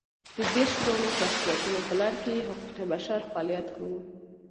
د دېرش ځوانو شخصیتونو په لړ کې یې حقوق بشر فعالیت کاوه.